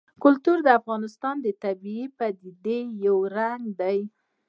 کلتور د افغانستان د طبیعي پدیدو یو رنګ دی.